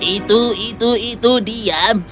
itu itu itu diam